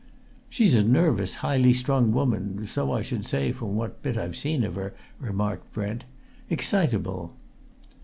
"She's a nervous, highly strung woman so I should say, from what bit I've seen of her," remarked Brent. "Excitable!"